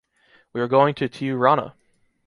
We are going to Tiurana.